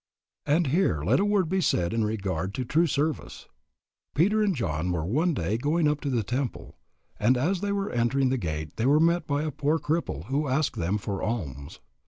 And here let a word be said in regard to true service. Peter and John were one day going up to the temple, and as they were entering the gate they were met by a poor cripple who asked them for alms.